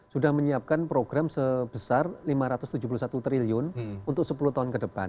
sudah menyiapkan program sebesar rp lima ratus tujuh puluh satu triliun untuk sepuluh tahun ke depan